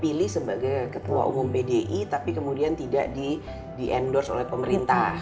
pilih sebagai ketua umum pdi tapi kemudian tidak di endorse oleh pemerintah